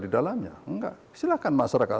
di dalamnya enggak silahkan masyarakat